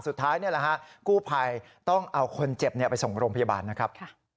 สุดท้ายนี่แหละฮะกู้ภัยต้องเอาคนเจ็บไปส่งโรงพยาบาลนะครับ